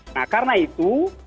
nah karena itu